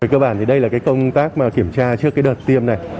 cơ bản thì đây là công tác kiểm tra trước đợt tiêm này